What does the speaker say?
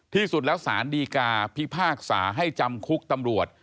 ที่สุดแล้วสารดีกาพิพากษาให้จำคุกตำรวจ